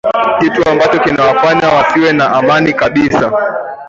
kitu ambacho kinawafanya wasiwe na amani kabisa